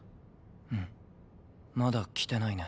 うんまだ来てないね